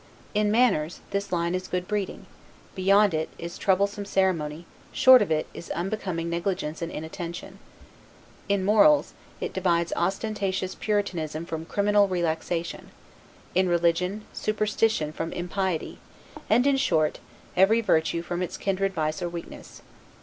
In manners, this line is good breeding; beyond it, is troublesome ceremony; short of it, is unbecoming negligence and inattention. In morals, it divides ostentatious puritanism from criminal relaxation; in religion, superstition from impiety: and, in short, every virtue from its kindred vice or weakness.